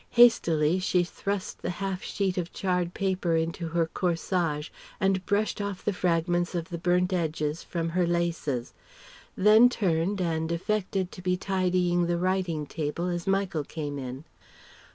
Hastily she thrust the half sheet of charred paper into her corsage and brushed off the fragments of the burnt edges from her laces; then turned and affected to be tidying the writing table as Michael came in.